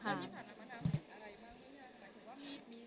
สถานะมะนามเห็นอะไรมากด้วย